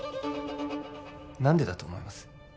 何でだと思います？